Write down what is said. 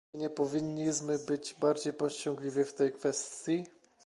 Czy nie powinniśmy być nieco bardziej powściągliwi w tej kwestii?